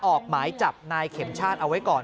ออกหมายจับนายเข็มชาติเอาไว้ก่อน